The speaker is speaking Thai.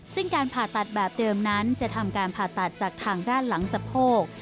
ซึ่งการผ่าตัดแบบเดิมนั้นจะทำการผ่าตัดจากทางด้านหลังสะโพก